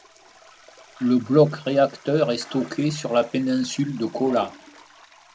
Le bloc réacteur est stocké sur la péninsule de Kola.